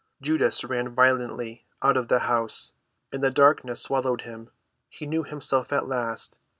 Judas ran violently out of the house, and the darkness swallowed him. He knew himself at last.